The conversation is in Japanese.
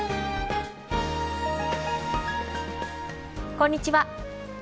こんにちは。